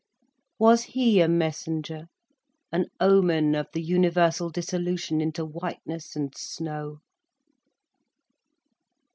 Was he a messenger, an omen of the universal dissolution into whiteness and snow?